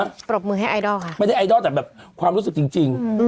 ปรบมือให้ไอดอลค่ะไม่ได้ไอดอลแต่แบบความรู้สึกจริงจริง